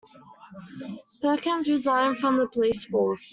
Perkins resigned from the police force.